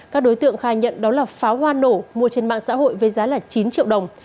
các đối tượng khai nhận đó là pháo hoa nổ mua trên mạng xã hội với giá chín triệu đồng